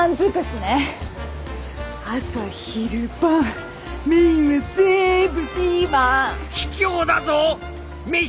朝昼晩メインは全部ピーマン！